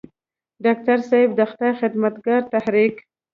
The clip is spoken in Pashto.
ډاکټر صېب د خدائ خدمتګار تحريک